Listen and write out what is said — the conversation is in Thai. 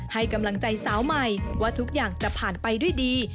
ให้กำลังใจสาวใหม่ว่าทุกอย่างจะผ่านไปด้วยดี